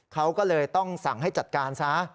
เขาก็เลยต้องสั่งให้จัดการซะ